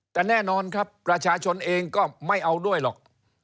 แต่แน่นอนครับประชาชนเองก็ไม่เอาด้วยหรอก